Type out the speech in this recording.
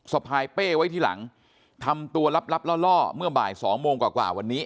พายเป้ไว้ที่หลังทำตัวลับลับล่อเมื่อบ่ายสองโมงกว่าวันนี้